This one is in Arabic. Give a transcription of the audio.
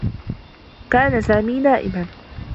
كان سامي نائما.